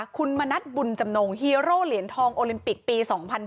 คุณมณัฐบุญจำนงฮีโร่เหรียญทองโอลิมปิกปี๒๐๑๘